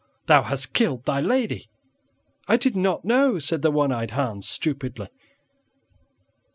Thou hast killed thy lady!" "I did not know," said the one eyed Hans, stupidly.